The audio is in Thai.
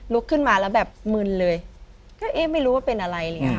ลุกขึ้นมาแล้วแบบมึนเลยก็ไม่รู้ว่าเป็นอะไรเลยค่ะ